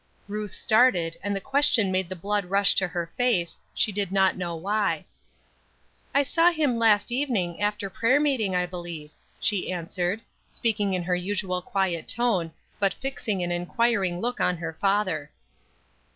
Ruth started, and the question made the blood rush to her face, she did not know why. "I saw him last evening, after prayer meeting, I believe," she answered, speaking in her usual quiet tone, but fixing an inquiring look on her father.